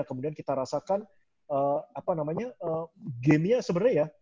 kemudian kita rasakan apa namanya gamenya sebenarnya ya